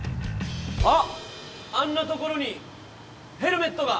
「あっあんな所にヘルメットが」